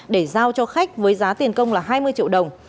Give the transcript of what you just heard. để giao cho khách với giá tiền công là hai mươi triệu đồng